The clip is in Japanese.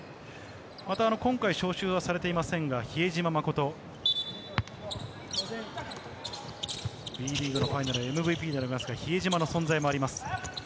また今回招集はされていませんが、比江島慎、ＢリーグのファイナルＭＶＰの比江島の存在もあります。